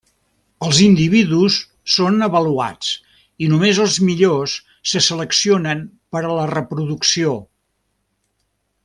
Els individus són avaluats i només els millors se seleccionen per a la reproducció.